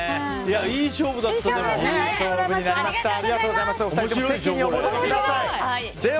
いい勝負だった、でも。